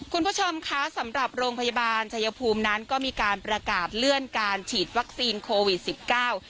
คุณผู้ชมคะสำหรับโรงพยาบาลชายภูมินั้นก็มีการประกาศเลื่อนการฉีดวัคซีนโควิดสิบเก้า